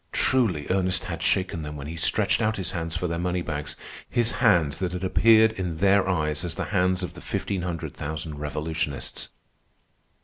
Truly Ernest had shaken them when he stretched out his hands for their moneybags, his hands that had appeared in their eyes as the hands of the fifteen hundred thousand revolutionists.